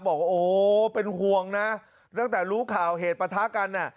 บอกว่าโอ้เป็นห่วงนะตั้งแต่รู้ข่าวเหตุประทะกัน